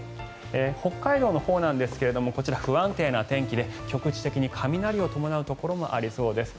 北海道のほうなんですがこちら、不安定な天気で局地的に雷を伴うところもありそうです。